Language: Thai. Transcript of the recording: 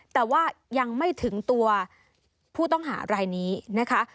แต่ว่ายังไม่ถึงตัวผู้ต้องหารายนี้นะคะ